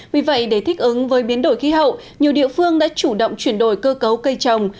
vì vậy để thích ứng với biến đổi khí hậu nhiều địa phương đã chủ động chuyển đổi cơ cấu cây trồng